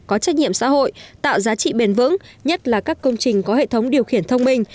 có trách nhiệm xã hội tạo giá trị bền vững nhất là các công trình có hệ thống điều khiển thông minh